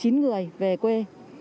chín người về quê